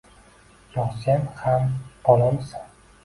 Yo sen ham bolamisan?